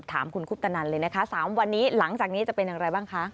ถามคุณคุปตนันเลยนะคะ๓วันนี้หลังจากนี้จะเป็นอย่างไรบ้างคะ